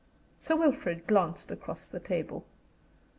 Sir Wilfrid glanced across the table.